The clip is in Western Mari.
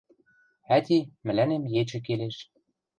— Ӓти, мӹлӓнем ечӹ келеш.